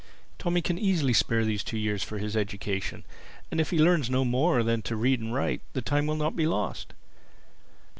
Tommy can easily spare these two years for his education; and if he learns no more than to read and write, the time will not be lost.